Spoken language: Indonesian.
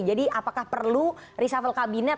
jadi apakah perlu reshuffle kabinet